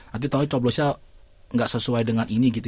nanti tau coblosnya gak sesuai dengan ini gitu